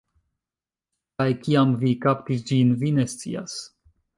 Kaj kiam vi kaptis ĝin, vi ne scias.